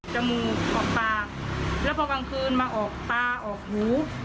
จมูกออกปากแล้วพอกลางคืนมาออกตาออกหู